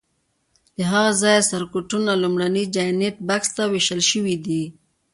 له هغه ځایه سرکټونو لومړني جاینټ بکس ته وېشل شوي دي.